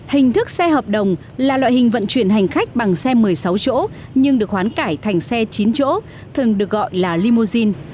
hình thức xe hợp đồng là loại hình vận chuyển hành khách bằng xe một mươi sáu chỗ nhưng được hoán cải thành xe chín chỗ thường được gọi là limousine